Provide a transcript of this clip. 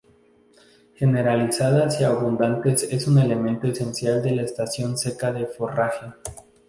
Generalizadas y abundantes, es un elemento esencial de la estación seca de forraje.